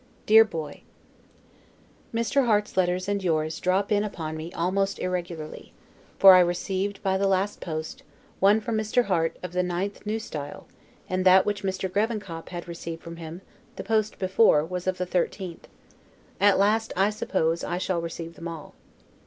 DEAR BOY: Mr. Harte's letters and yours drop in upon me most irregularly; for I received, by the last post, one from Mr. Harte, of the 9th, N. S., and that which Mr. Grevenkop had received from him, the post before, was of the 13th; at last, I suppose, I shall receive them all.